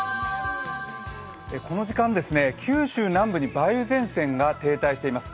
この時間、九州南部に梅雨前線が停滞しています。